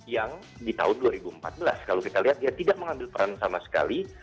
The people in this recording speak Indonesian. yang di tahun dua ribu empat belas kalau kita lihat dia tidak mengambil peran sama sekali